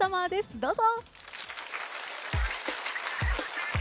どうぞ。